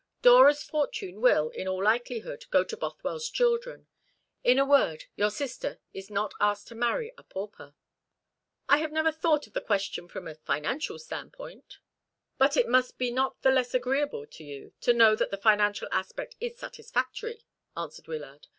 Dora's fortune will, in all likelihood, go to Bothwell's children. In a word, your sister is not asked to marry a pauper." "I have never thought of the question from a financial standpoint." "But it must be not the less agreeable to you to know that the financial aspect is satisfactory," answered Wyllard.